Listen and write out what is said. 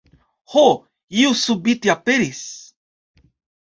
Ho, io subite aperis!